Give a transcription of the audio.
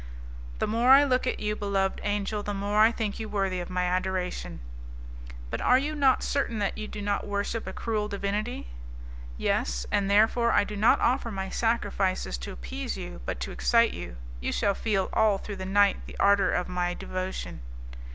"The more I look at you, beloved angel, the more I think you worthy of my adoration." "But are you not certain that you do not worship a cruel divinity?" "Yes, and therefore I do not offer my sacrifices to appease you, but to excite you. You shall feel all through the night the ardour of my devotion."